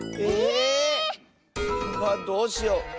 え⁉どうしよう。